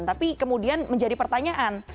tapi kemudian menjadi pertanyaan